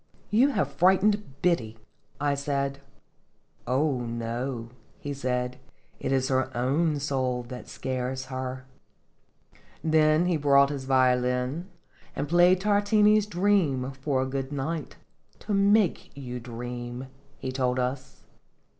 " You have frightened Biddy," I said. "Oh, no," he said, "it is her own soul that scares her." Then he brought his violin, and played Tar tini's "Dream" for a good night "to make you dream," he told us.